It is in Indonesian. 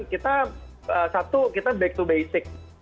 kita satu kita back to basic